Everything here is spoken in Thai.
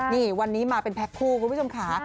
นี่วันนี้มาเป็นแพ็คคู่คุณผู้ชมค่ะ